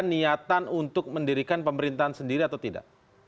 di pratik sekarang ini mereka melarang purda